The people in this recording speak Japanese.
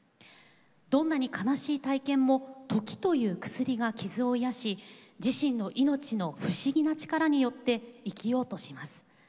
どんなに悲しい体験も『時』という薬が傷を癒やし自身の命の不思議な力によって生きようとします。